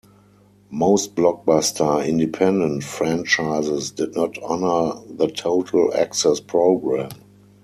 Most Blockbuster independent franchises did not honor the Total Access program.